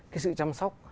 cái sự chăm sóc